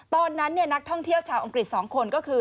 ตอนนั้นนักท่องเที่ยวชาวอังกฤษ๒คนก็คือ